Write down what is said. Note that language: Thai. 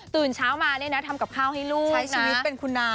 ตื่นเช้ามาเนี่ยนะทำกับข้าวให้ลูกใช้ชีวิตเป็นคุณน้า